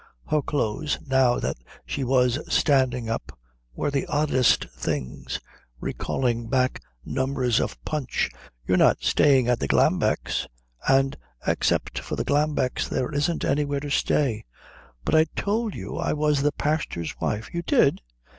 Her clothes, now that she was standing up, were the oddest things, recalling back numbers of Punch. "You're not staying at the Glambecks', and except for the Glambecks there isn't anywhere to stay." "But I told you I was the pastor's wife." "You did?"